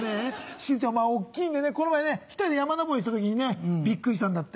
しずちゃんまぁ大っきいんでこの前ね１人で山登りした時にびっくりしたんだって。